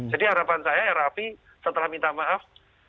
jadi harapan saya ya rafi setelah minta maaf